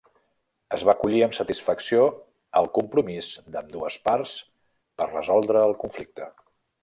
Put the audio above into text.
Es va acollir amb satisfacció el compromís d'ambdues parts per resoldre el conflicte.